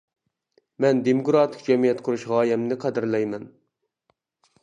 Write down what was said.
مەن دېموكراتىك جەمئىيەت قۇرۇش غايەمنى قەدىرلەيمەن.